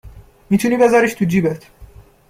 می تونی بزاریش تو جیبت